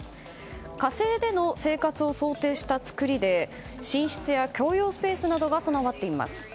火星での生活を想定した造りで寝室や共用スペースなどが備わっています。